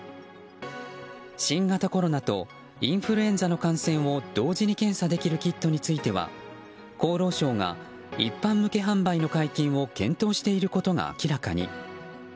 新型コロナとインフルエンザ濃厚接触を同時に検査できるキットについては、厚労省が一般向け販売の解禁を検討していることが明らかに。